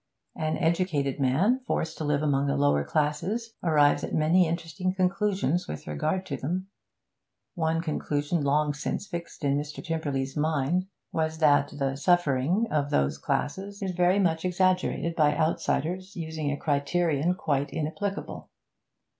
An educated man forced to live among the lower classes arrives at many interesting conclusions with regard to them; one conclusion long since fixed in Mr. Tymperley's mind was that the 'suffering' of those classes is very much exaggerated by outsiders using a criterion quite inapplicable.